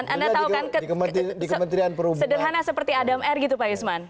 anda tahu kan sederhana seperti adam air gitu pak yusman